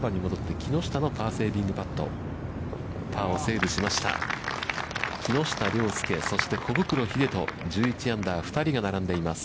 木下稜介、そして小袋秀人、１１アンダー、２人が並んでいます。